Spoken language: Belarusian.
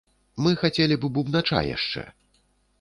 Мы хацелі б бубнача яшчэ.